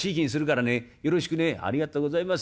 「ありがとうございます。